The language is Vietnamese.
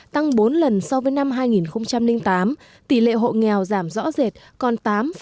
tăng bốn lần so với năm hai nghìn tám tỷ lệ hộ nghèo giảm rõ rệt còn tám năm mươi sáu